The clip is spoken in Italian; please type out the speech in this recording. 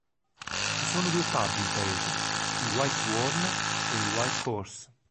Ci sono due Pub in paese, il White Swan ed il White Horse.